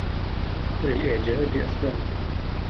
وَلِلْإِعْجَابِ أَسْبَابٌ